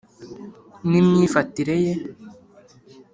n'imyifatire ye: